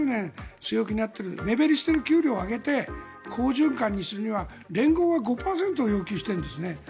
据え置きになっている目減りしている給料を上げて好循環にするには連合は５％を要求してるんですね。